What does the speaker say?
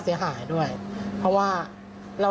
แต่ว่า